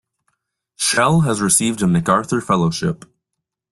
Shell has received a MacArthur Fellowship.